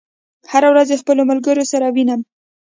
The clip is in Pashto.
هره ورځ د خپلو ملګرو سره وینم.